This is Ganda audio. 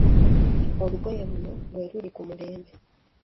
Olugoye luno lwe luli ku mulembe.